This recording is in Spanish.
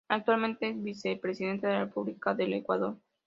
Actualmente es Vicepresidente de la República del Ecuador.